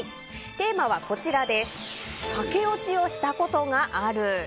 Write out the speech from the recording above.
テーマは駆け落ちをしたことがある。